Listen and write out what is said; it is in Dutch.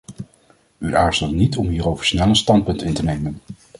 U aarzelde niet om hierover snel een standpunt in te nemen.